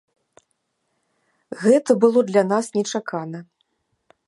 Гэта было для нас нечакана.